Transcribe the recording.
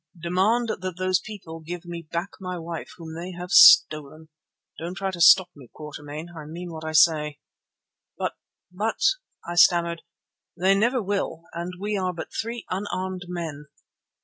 "Demand that those people give me back my wife, whom they have stolen. Don't try to stop me, Quatermain, I mean what I say." "But, but," I stammered, "they never will and we are but three unarmed men."